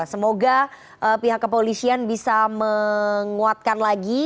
semoga pihak kepolisian bisa menguatkan lagi